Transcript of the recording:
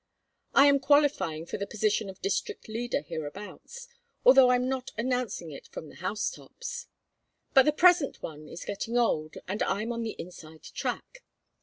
I am qualifying for the position of district leader hereabouts, although I'm not announcing it from the house tops. But the present one is getting old, and I'm on the inside track.